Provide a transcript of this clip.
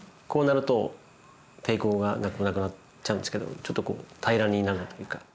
こうなると抵抗がなくなっちゃうんですけどちょっとこう平らになるというか。